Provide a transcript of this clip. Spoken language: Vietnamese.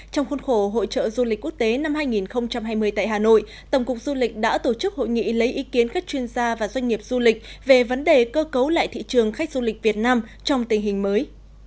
trong khuôn khổ hội trợ du lịch quốc tế năm hai nghìn hai mươi tại hà nội tổng cục du lịch đã tổ chức hội nghị lấy ý kiến khách chuyên gia và doanh nghiệp du lịch về vấn đề cơ cấu lại thị trường khách du lịch việt nam trong tình hình mới